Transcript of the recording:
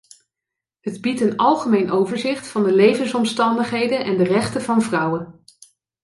Het biedt een algemeen overzicht van de levensomstandigheden en de rechten van vrouwen.